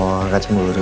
oh gak cemburu